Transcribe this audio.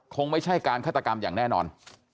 คงไม่ใช่การฆาตกรรมอย่างแน่นอน